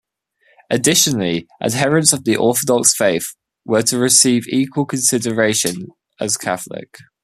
Additionally, adherents of the Orthodox faith were to receive equal consideration as Catholics.